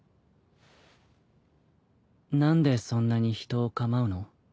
何でそんなに人を構うの？